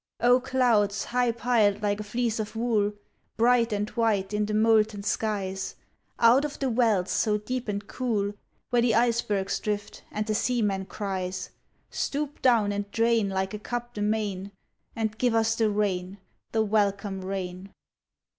O clouds high piled like a fleece of wool Bright and white in the molten skies, Out of the wells so deep and cool Where the icebergs drift and the seaman cries, Stoop down and drain iike a cup the main, And give us the rain — the welcome rain.